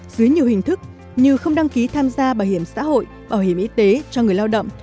dưới nhiều hình thức như không đăng ký tham gia bảo hiểm xã hội bảo hiểm y tế cho người lao động